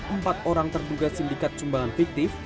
empat orang terduga sindikat sumbangan fiktif